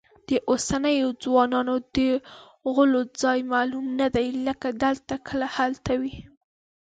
د اوسنیو ځوانانو د غولو ځای معلوم نه دی، کله دلته کله هلته وي.